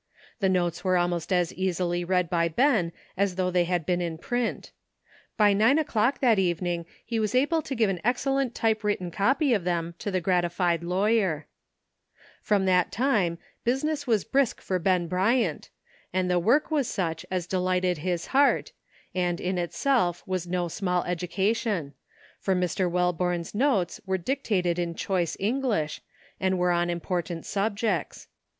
The notes were almost as easily read by Ben as though they had been in print. By nine o'clock that evening he was able to give an excellent typewritten copy of them to the gratified lawyer. 346 ANOTHER "SIDE TRACK.'' From that time business was brisk for Ben Bryant, and the work was such as delighted his heart, and in itself was no small education ; for Mr. Welborne's notes were dictated in choice English, and were on important sub jects.